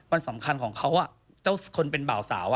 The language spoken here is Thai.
วันสำคัญของเขาเจ้าคนเป็นบ่าวสาว